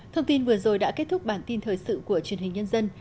thông tin vừa rồi đã kết thúc bản tin thời sự của truyền hình nhân dân